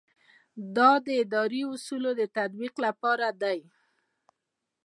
دا د اداري اصولو د تطبیق لپاره دی.